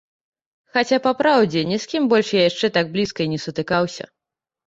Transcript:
Хаця, па праўдзе, ні з кім больш я яшчэ так блізка і не сутыкаўся.